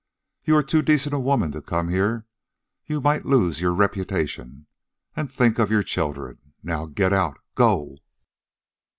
You are too decent a woman to come here. You might lose your reputation. And think of your children. Now get out. Go."